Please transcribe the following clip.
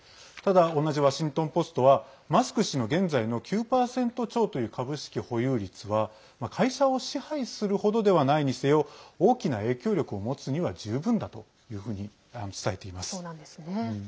ただ、同じワシントン・ポストはマスク氏の現在の９％超という株式保有率は会社を支配するほどではないにせよ大きな影響力を持つには十分だというふうに伝えています。